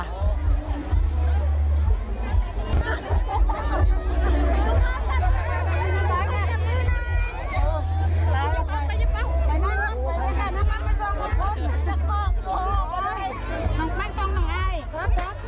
นี่ก็คือวีรวิวเลนส์ล่ะ